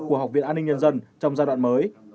của học viện an ninh nhân dân trong giai đoạn mới